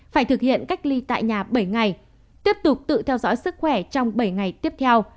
phải thực hiện cách ly tại nhà bảy ngày tiếp tục tự theo dõi sức khỏe trong bảy ngày tiếp theo